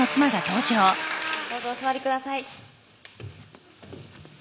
どうぞお座りください